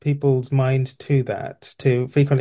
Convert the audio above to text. untuk berwaspada tangan secara frekuensi